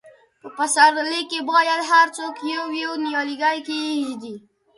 په پسرلي کې باید هر څوک یو، یو نیالګی کښېږدي.